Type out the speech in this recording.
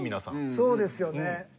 そうですよね。